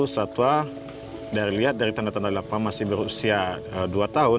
satwa dari lihat dari tanda tanda lapa masih berusia dua tahun